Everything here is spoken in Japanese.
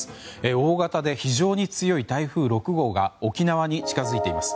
大型で非常に強い台風６号が沖縄に近づいています。